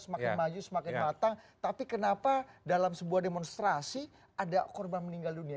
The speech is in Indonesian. semakin maju semakin matang tapi kenapa dalam sebuah demonstrasi ada korban meninggal dunia